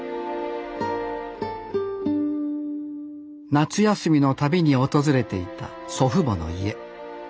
夏休みのたびに訪れていた祖父母の家。